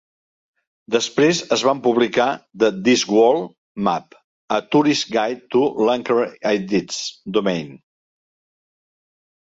Després es van publicar The Discworld Mapp, A Tourist Guide to Lancre i Death's Domain.